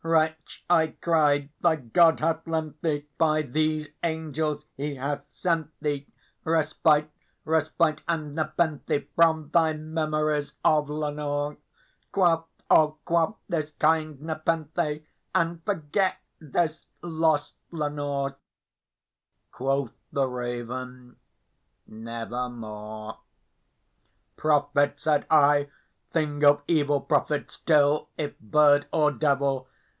"Wretch," I cried, "thy God hath lent thee by these angels he hath sent thee Respite respite and nepenthe, from thy memories of Lenore! Quaff, oh quaff this kind nepenthe and forget this lost Lenore!" Quoth the Raven, "Nevermore." "Prophet!" said I, "thing of evil! prophet still, if bird or devil!